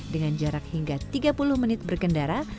dengan jarak hingga tiga puluh menit berkendara